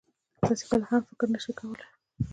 تاسې يې کله هم فکر نه شئ کولای.